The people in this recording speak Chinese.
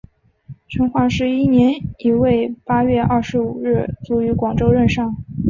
成化十一年乙未八月二十五日卒于广州任上。